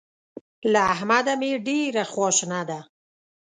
له احمده مې ډېره خواشنه ده.